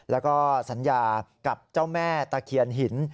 แล้วก็สัญญากับเจ้าแม่ตะเคียนหิน